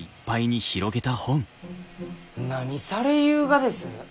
何されゆうがです？